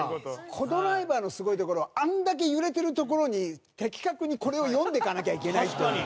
コ・ドライバーのすごいところあれだけ揺れてるところに的確にこれを読んでいかなきゃいけないという。